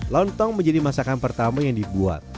lontong menjadi masakan pertama yang dibuat